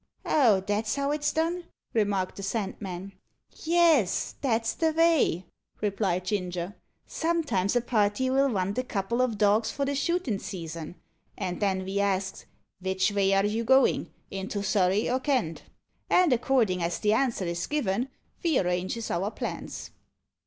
"Oh! that's how it's done?" remarked the Sandman. "Yes, that's the vay," replied Ginger. "Sometimes a party'll vant a couple o' dogs for the shootin' season; and then ve asks, 'Vich vay are you a goin' into Surrey or Kent?' And accordin' as the answer is given ve arranges our plans."